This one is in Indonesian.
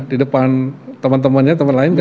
di depan teman temannya teman lain